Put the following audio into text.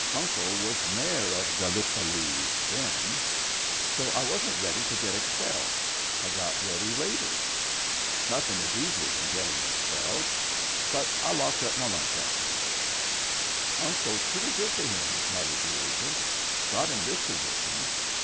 Uncle was mayor of GallipoW^^ then. So I wasn't ready to get expelled, — I got ready later; nothin' is easier than gettin' expelled, — but I locked up my lunch after that" "Uncle's pretty good to him," muttered the Agent. " Got him this position.